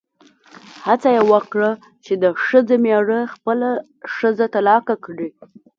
هڅه یې وکړه چې د ښځې مېړه خپله ښځه طلاقه کړي.